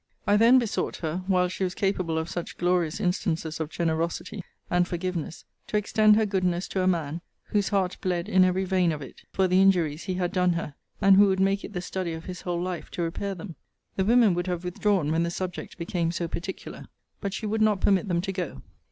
I then besought her, while she was capable of such glorious instances of generosity, and forgiveness, to extend her goodness to a man, whose heart bled in every vein of it for the injuries he had done her; and who would make it the study of his whole life to repair them. The women would have withdrawn when the subject became so particular. But she would not permit them to go.